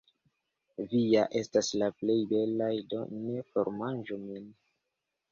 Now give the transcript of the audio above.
Vi ja estas la plej belaj, do ne formanĝu min.